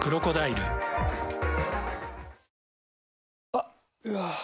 あっ、うわー。